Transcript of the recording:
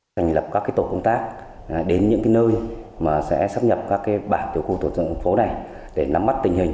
thành lập các cái tổ công tác đến những cái nơi mà sẽ sắp nhập các cái bản tiểu khu tổ chức phố này để nắm mắt tình hình